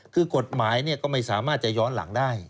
คือกฎหมายก็ไม่สามารถจะย้อนหลังได้